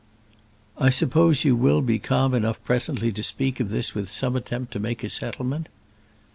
"I suppose you will be calm enough presently to speak of this with some attempt to make a settlement?"